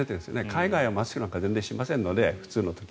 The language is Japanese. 海外はマスクなんか全然しませんので普通の時。